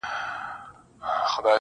هر څوک يې په خپل نظر ګوري,